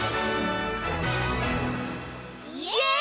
イエーイ！